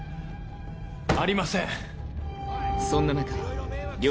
ありません！